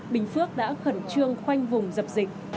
bình phước đã khẩn trương khoanh vùng dập dịch